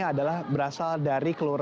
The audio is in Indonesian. adalah berasal dari keluarga